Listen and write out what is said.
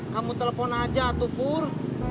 kamu telepon aja tuh pur